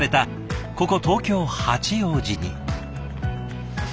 ここ東京・八王子に。